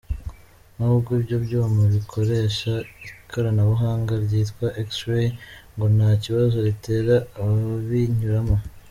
Nubwo ibyo byuma bikoresha ikoranabuhanga ryitwa x-ray ngo nta kibazo ritera ababinyuramo.